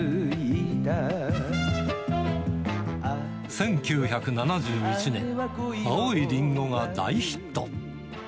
１９７１年、青いリンゴが大ヒット。